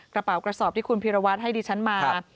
กระเป๋ากระสอบที่คุณพิรวัตรให้ดิฉันมา